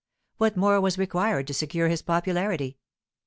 What more was required to secure his popularity?